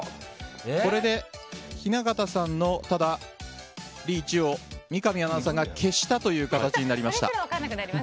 これで雛形さんのリーチを三上アナウンサーが消したという形になりました。